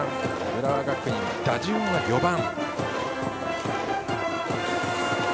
浦和学院、打順は４番。